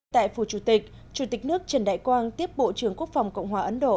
tại phủ chủ tịch chủ tịch nước trần đại quang tiếp bộ trưởng quốc phòng cộng hòa ấn độ